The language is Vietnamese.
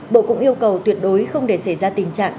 bộ cũng yêu cầu tuyệt đối không để xảy ra tình trạng